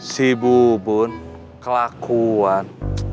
si bubun kelakuan